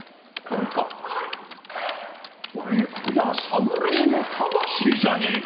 お前こりゃ侍の魂じゃねえか。